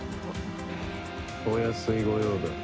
お安い御用だ。